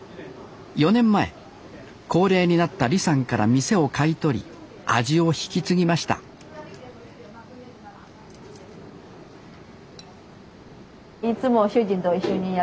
４年前高齢になった李さんから店を買い取り味を引き継ぎましたいつも主人と一緒にやってます。